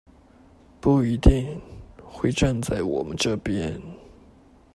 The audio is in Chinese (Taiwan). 不一定會站在我們這邊